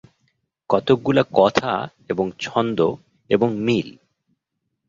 কতকগুলা কথা এবং ছন্দ এবং মিল!